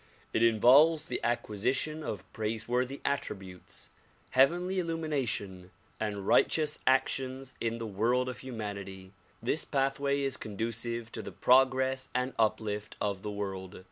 It involves the acquisition of praiseworthy attributes, heavenly illumination and righteous actions in the world of hu manity. This pathway is conducive to the progress and uplift of the world.